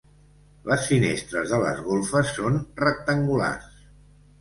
Les finestres de les golfes són rectangulars.